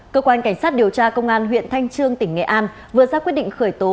cơ quan cảnh sát điều tra công an huyện thanh trương tỉnh nghệ an vừa ra quyết định khởi tố